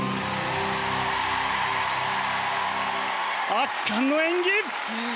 圧巻の演技！